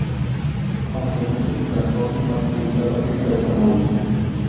Aunque el medio de transporte más utilizado es el automóvil.